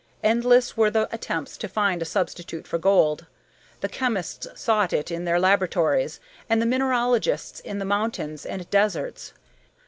Endless were the attempts to find a substitute for gold. The chemists sought it in their laboratories and the mineralogists in the mountains and deserts.